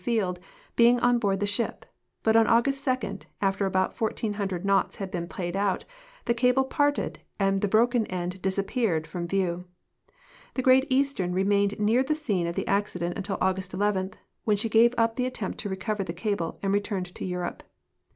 Field being on board the ship, but on August 2, after about 1,400 knots had been paid out, the cable parted and the broken end disap peared from view. The Great Eastern remained near the scene of the accident until August 11, when she gave up the attempt to recover the cable and returned to Europe.